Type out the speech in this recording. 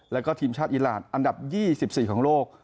แล้วก็ทีมชาติอีรานอันดับ๒๔ของโลก